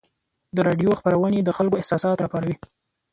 د راډیو خپرونې د خلکو احساسات راپاروي.